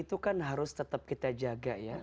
itu kan harus tetap kita jaga ya